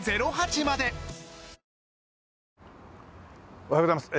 おはようございます。